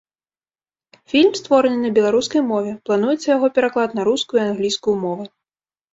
Фільм створаны на беларускай мове, плануецца яго пераклад на рускую і англійскую мовы.